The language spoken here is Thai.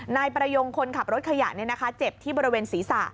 นายประยงคนขับรถขยะเจ็บที่บริเวณศีรษะ